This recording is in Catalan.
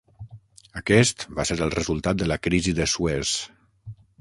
Aquest va ser el resultat de la Crisi de Suez.